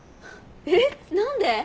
えっ？何で？